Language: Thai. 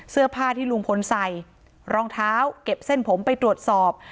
เสื้อผ้าที่ลุงพลใส่รองเท้าเก็บเส้นผมไปตรวจสอบ